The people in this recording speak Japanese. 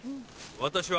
私は。